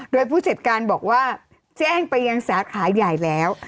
โดยผู้จัดการบอกว่าแจ้งไปยังสาขาใหญ่แล้ว